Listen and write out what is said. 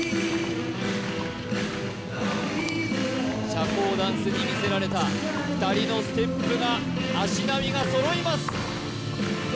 社交ダンスに魅せられた２人のステップが足並みが揃います